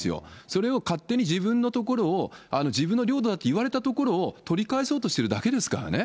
それを勝手に自分の所を自分の領土だって言われた所を取り返そうとしているだけですからね。